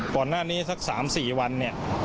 ก่อนหน้านี้สัก๓๔วันเนี่ย